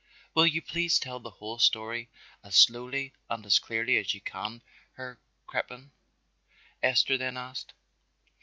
"Will you please tell the whole story as slowly and as clearly as you can, Herr Crippen?" Esther then asked.